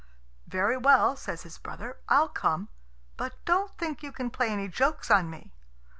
"Very well," says his brother, "I'll come; but don't think you can play any jokes on me."